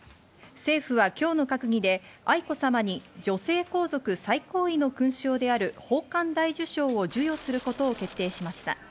政府は今日の閣議で愛子さまに女性皇族最高位の勲章である宝冠大綬章を授与することを決定しました。